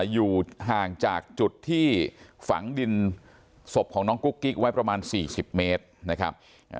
อยู่ห่างจากจุดที่ฝังดินศพของน้องกุ๊กกิ๊กไว้ประมาณ๔๐เมตรนะครับ